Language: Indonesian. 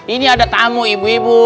ini ada tamu ibu ibu